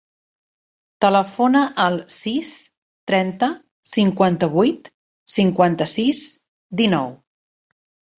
Telefona al sis, trenta, cinquanta-vuit, cinquanta-sis, dinou.